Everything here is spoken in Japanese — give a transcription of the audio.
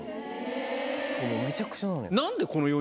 めちゃくちゃなのよ。